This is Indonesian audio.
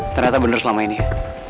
ternyata benar selama ini ya